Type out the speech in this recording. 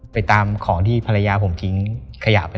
ไปตามของที่ภรรยาผมทิ้งขยะไป